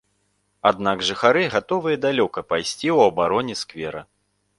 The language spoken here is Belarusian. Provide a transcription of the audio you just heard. Аднак жыхары гатовыя далёка пайсці ў абароне сквера.